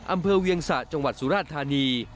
อำเภอเวียงสะจังหวัดสุราชธานี